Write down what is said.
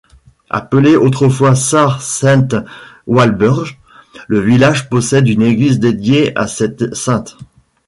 Appelé autrefois Sart-Sainte-Walburge, le village possède une église dédiée à cette sainte.